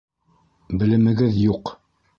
Белемегеҙ юҡ.